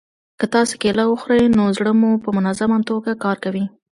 که تاسي کیله وخورئ نو زړه مو په منظمه توګه کار کوي.